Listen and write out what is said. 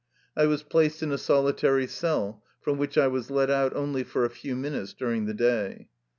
I was placed in a solitary cell, from which I was let out only for a few minutes during the day.